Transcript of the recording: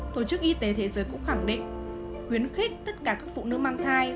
tổ chức y tế thế giới cũng khẳng định khuyến khích tất cả các phụ nữ mang thai